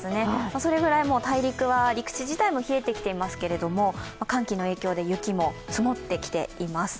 それぐらい大陸は、陸地自体も冷えてきていますけれども、寒気の影響で雪も積もってきています。